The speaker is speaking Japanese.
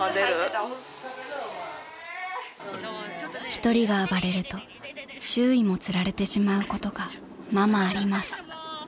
［一人が暴れると周囲もつられてしまうことがままあります］